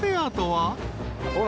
ほら。